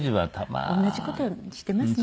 同じ事していますね。